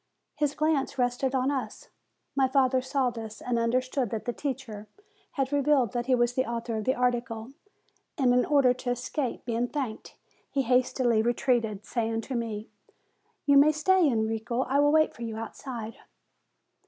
His glance rested on us. My father saw this, and understood that the teacher had revealed that he was the author of the article; and in order to escape being thanked, he hastily retreated, saying to me : "You may stay, Enrico; I will wait for you out side."